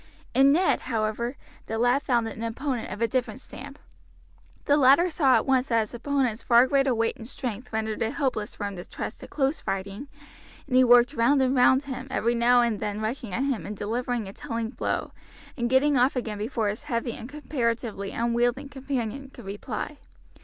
In Ned, however, the lad found an opponent of a different stamp. The latter saw at once that his opponent's far greater weight and strength rendered it hopeless for him to trust to close fighting, and he worked round and round him, every now and then rushing at him and delivering a telling blow, and getting off again before his heavy and comparatively unwieldy companion could reply.